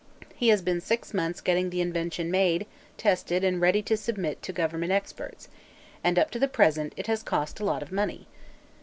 He has been six months getting the invention made, tested and ready to submit to government experts, and up to the present it has cost a lot of money.